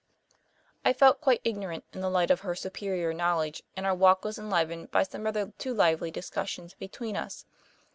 I felt quite ignorant in the light of her superior knowledge, and our walk was enlivened by some rather too lively discussions between us.